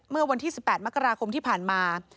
เมื่อวันที่๑๘มกราคมที่ผ่านมา